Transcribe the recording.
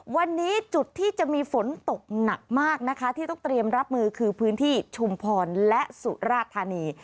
วันนี้จุดที่จะมีฝนตกหนักมากนะคะที่ต้องเตรียมรับมือคือพื้นที่ชุมพรและสุราธานี